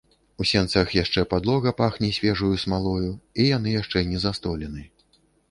У сенцах яшчэ падлога пахне свежаю смалою, і яны яшчэ не застолены.